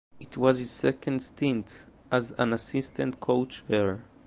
It was his second stint as an assistant coach there.